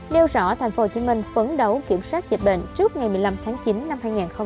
đeo rõ thành phố hồ chí minh phấn đấu kiểm soát dịch bệnh trước ngày một mươi năm tháng chín năm hai nghìn hai mươi một